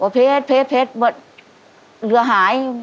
ว่าเพชรเพชรเพชรว่าเรือหาย